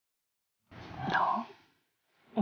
bersama almarhum roy